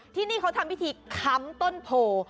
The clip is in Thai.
ที่นี่เขาทำพิธีค้ำต้นโพ